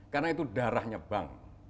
karena itu darahnya bank